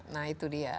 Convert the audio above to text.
nah itu dia